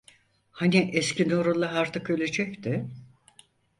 Hani eski Nurullah artık ölecekti?